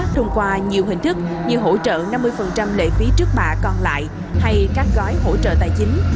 thông qua nhiều hình thức như hỗ trợ năm mươi lệ phí trước bạ còn lại hay các gói hỗ trợ tài chính